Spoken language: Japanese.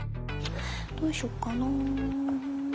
どうしよっかな。